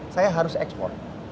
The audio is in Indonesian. saya harus ekspor